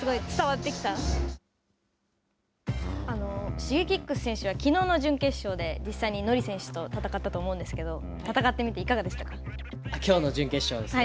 Ｓｈｉｇｅｋｉｘ選手はきのうの準決勝で、実際にＮＯＲＩ選手と戦ったと思うんですけど、戦ってみて、いかきょうの準決勝ですね。